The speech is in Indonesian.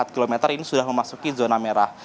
empat km ini sudah memasuki zona merah